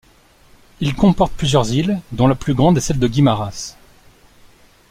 Il comporte plusieurs îles dont la plus grande est celle de Guimaras.